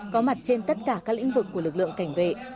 có mặt trên tất cả các lĩnh vực của lực lượng cảnh vệ